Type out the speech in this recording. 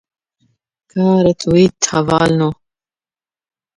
Ka retwît hevalino?